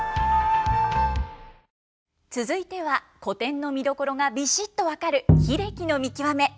続いては古典の見どころがビシっと分かる英樹さん